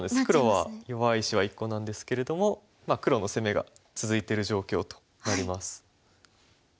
黒は弱い石は１個なんですけれども黒の攻めが続いてる状況となります。